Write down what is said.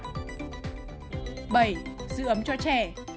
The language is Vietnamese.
bảy giữ ấm cho trẻ